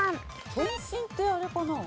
健診ってあれかな？